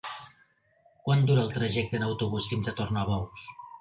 Quant dura el trajecte en autobús fins a Tornabous?